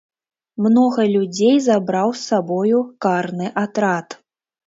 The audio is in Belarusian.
Многа людзей забраў з сабою карны атрад.